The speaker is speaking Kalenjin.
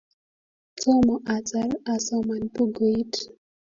Tomo atar asoman bukuit